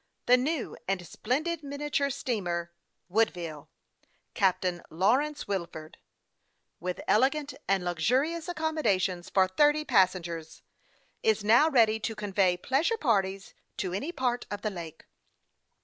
THE NEW AND SPLENDID MINIATURE STEAMER CAPTAIN LAWRENCE WILFORD, With elegant and luxurious accommodations for thirty passengers, is now ready to convey pleasure parties to any part of the lake.